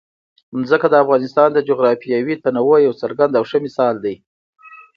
ځمکه د افغانستان د جغرافیوي تنوع یو څرګند او ښه مثال دی.